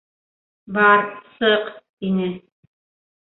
— Бар, сыҡ, — тине.